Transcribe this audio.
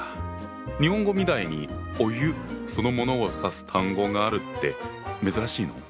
日本語みたいにお湯そのものを指す単語があるって珍しいの？